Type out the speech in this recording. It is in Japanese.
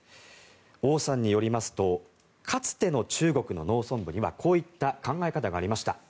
オウさんによりますとかつての中国の農村部にはこういった考え方がありました。